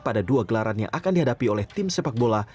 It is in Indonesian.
pada dua gelaran yang akan dihadapi oleh tim sepak bola